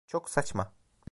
Çok saçma.